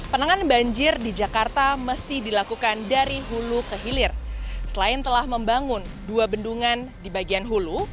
penanganan banjir di jakarta mesti dilakukan dari hulu ke hilir selain telah membangun dua bendungan di bagian hulu